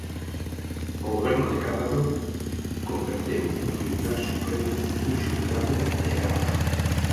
O Goberno de Cadrado converteu o Tribunal Supremo nun xulgado de garda.